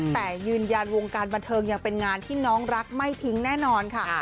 แต่ยืนยันวงการบันเทิงยังเป็นงานที่น้องรักไม่ทิ้งแน่นอนค่ะ